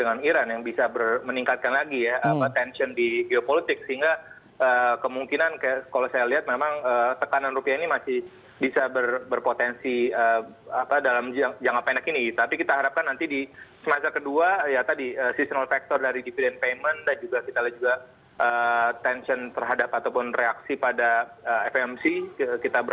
dan juga yang baru saja terjadi ini adalah pasar mengantisipasi keputusan dari amerika apabila menarik diri dari perjanjian nuklir